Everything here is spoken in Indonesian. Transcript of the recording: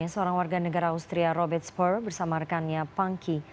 seorang warga negara austria robert spur bersama rekannya punky